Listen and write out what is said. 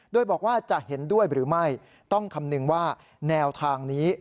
โดยบอกว่าจะเห็นด้วยหรือไม่ต้องคำนึงว่าแนวทางนี้